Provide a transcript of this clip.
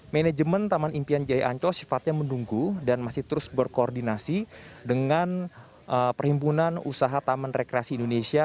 manajemen taman impian jaya ancol sifatnya menunggu dan masih terus berkoordinasi dengan perhimpunan usaha taman rekreasi indonesia